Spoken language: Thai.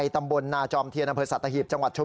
ถ่ายใช่ไหม